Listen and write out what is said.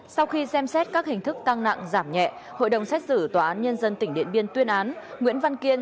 sau khi xem xét các hình thức tăng nặng giảm nhẹ hội đồng xét xử tòa án nhân dân tỉnh điện biên tuyên án nguyễn văn kiên